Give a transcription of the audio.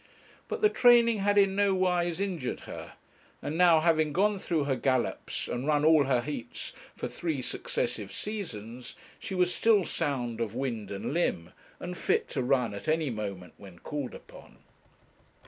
But the training had in nowise injured her; and now, having gone through her gallops and run all her heats for three successive seasons, she was still sound of wind and limb, and fit to run at any moment when called upon.